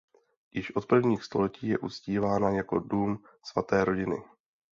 Již od prvních století je uctívána jako dům Svaté rodiny.